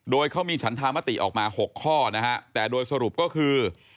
โดยเขามีฉันธามติออกมา๖ข้อนะฮะแต่โดยสรุปก็คือ